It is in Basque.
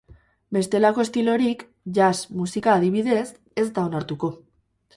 Bestelako estilorik, jazz musika adibidez, ez da onartuko.